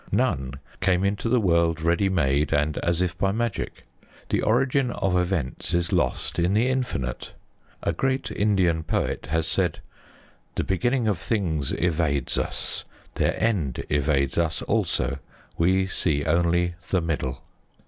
None came into the world ready made, and as if by magic. The origin of events is lost in the infinite. A great Indian poet has said: "The beginning of things evades us; their end evades us also; we see only the middle."